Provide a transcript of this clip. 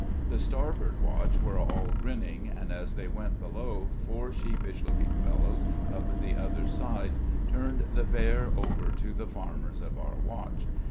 The starboard watch were all grinning, and as they went below four sheepish looking fellows of the other side turned the "bear" over to the farmers of our watch.